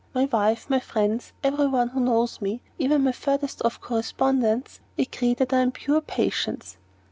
My wife, my friends, every one that knows me, even my furthest off correspondents, agree that I am pure patience."